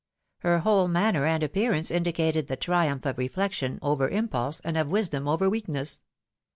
Her whole manner and appearance indicated the triumph of reflection over im pulse, and of wisdom over weakness.